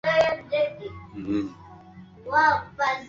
Nyumba zimejengwa